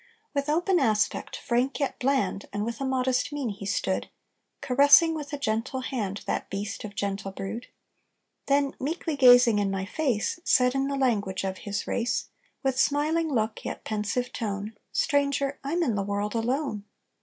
With open aspect, frank yet bland, And with a modest mien he stood, Caressing with a gentle hand That beast of gentle brood; Then, meekly gazing in my face, Said in the language of his race, With smiling look yet pensive tone, "Stranger I'm in the world alone!"